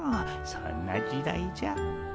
そんな時代じゃ。